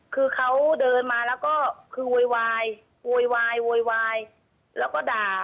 คือเขาเดินมาแล้วก็โวยวายแล้วก็ด่า